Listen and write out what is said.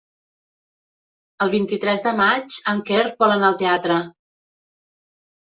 El vint-i-tres de maig en Quer vol anar al teatre.